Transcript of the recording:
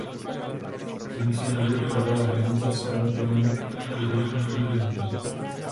Tím se nově upravila hranice s kantonem Graubünden.